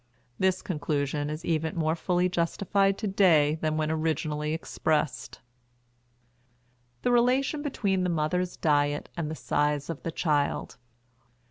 This conclusion is even more fully justified to day than when originally expressed. THE RELATION BETWEEN THE MOTHER'S DIET AND THE SIZE OF THE CHILD.